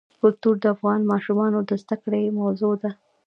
کلتور د افغان ماشومانو د زده کړې موضوع ده.